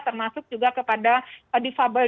termasuk juga kepada defable defable